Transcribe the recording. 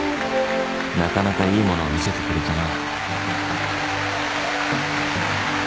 なかなかいいものを見せてくれたな